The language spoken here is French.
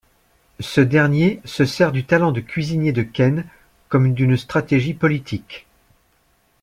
Ce dernier se sert du talent de cuisinier de Ken comme d'une stratégie politique.